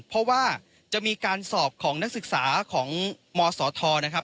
เพราะว่าจะมีการสอบของนักศึกษาของมศธนะครับ